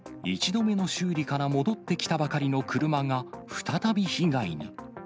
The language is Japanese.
１度目の修理から戻ってきたばかりの車が再び被害に。